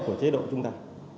của chế độ chúng ta